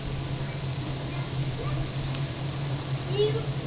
Mimoto je díky celé řadě pamětihodností oblíbeným turistickým cílem.